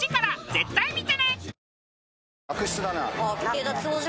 絶対見てね！